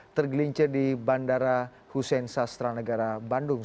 tergelincir di bandara hussein sastra negara bandung